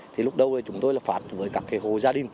thì lúc đầu chúng tôi phản với các hồ gia đình